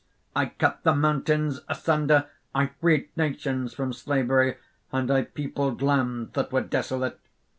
I cut the mountains asunder; I freed nations from slavery; and I peopled lands that were desolate.